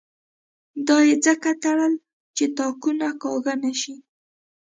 دا یې ځکه تړل چې تاکونه کاږه نه شي.